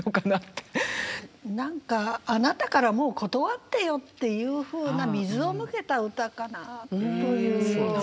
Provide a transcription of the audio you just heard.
何かあなたからもう断ってよっていうふうな水を向けた歌かなというような。